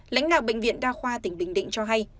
lãnh đạo bệnh viện đa khoa tỉnh bình định cho hay